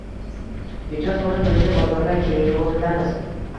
Mijoz soni boʻyicha bozordan keyingi oʻrindamiz